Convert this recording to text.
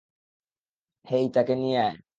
হেই, তাকে নিয়ে আয়।